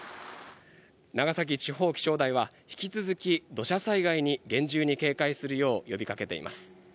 長崎地方気象台は引き続き土砂災害に厳重に警戒するよう呼びかけています。